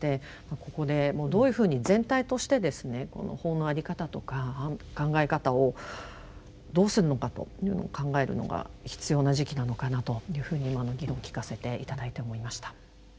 ここでどういうふうに全体としてですね法の在り方とか考え方をどうするのかというのを考えるのが必要な時期なのかなというふうに今の議論を聞かせて頂いて思いました。